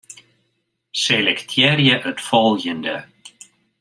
Selektearje it folgjende.